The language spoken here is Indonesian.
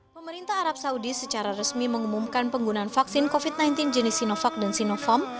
pemerintah arab saudi secara resmi mengumumkan penggunaan vaksin covid sembilan belas jenis sinovac dan sinovac